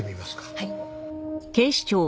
はい。